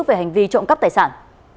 về hành vi trộm cắp tài sản